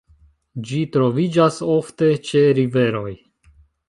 Ĝi troviĝas ofte ĉe riveroj.